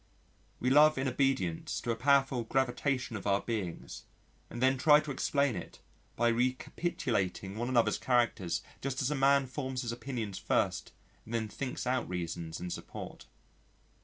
We love in obedience to a powerful gravitation of our beings, and then try to explain it by recapitulating one another's characters just as a man forms his opinions first and then thinks out reasons in support.